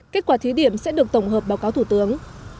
kết quả thí điểm sẽ được tổng hợp báo cáo thủ tướng